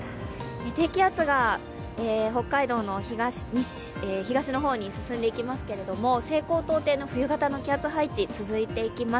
低気圧が北海道の東の方に進んでいきますけれども、西高東低の冬型の気圧配置が続いていきます。